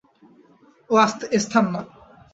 ও Esther না!